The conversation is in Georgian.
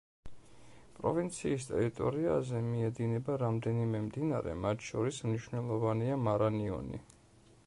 პროვინციის ტერიტორიაზე მიედინება რამდენიმე მდინარე, მათ შორის მნიშვნელოვანია მარანიონი.